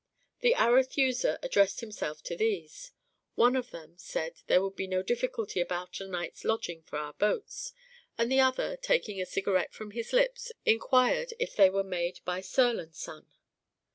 The Arethusa addressed himself to these. One of them said there would be no difficulty about a night's lodging for our boats; and the other, taking a cigarette from his lips, inquired if they were made by Searle and Son.